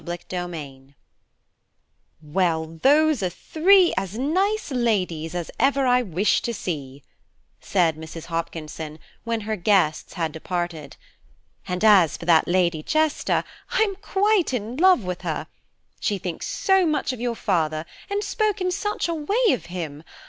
CHAPTER VII "WELL, those are three as nice ladies as ever I wish to see," said Mrs. Hopkinson, when her guests had departed; "and as for that Lady Chester, I'm quite in love with her. She thinks so much of your father, and spoke in such a way of him.